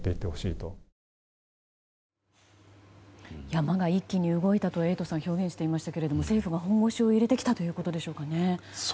山が一気に動いたとエイトさん表現していましたけれども政府が本腰を入れてきたということでしょうかね。